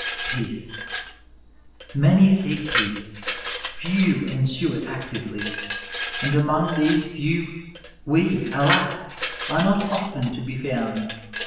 PEAOS Ifany seek peace, few ensue it actively, and among these few we, alas I are not often to be found.